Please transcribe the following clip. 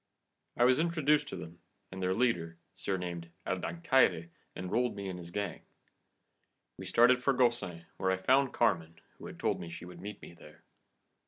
I was introduced to them, and their leader, surnamed El Dancaire, enrolled me in his gang. We started for Gaucin, where I found Carmen, who had told me she would meet me there.